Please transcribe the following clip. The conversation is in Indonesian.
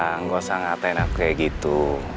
enggak usah ngatain aku kayak gitu